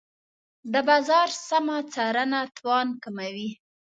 د بازار سمه څارنه تاوان کموي.